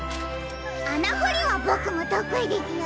あなほりはボクもとくいですよ！